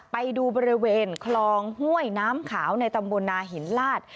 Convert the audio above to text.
ไปดูบริเวณคลองห้วยน้ำขาวในตำบลนาหินลาด